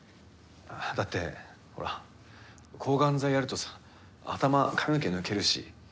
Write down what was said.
だって、ほら抗がん剤やるとさ頭髪の毛、抜けるし。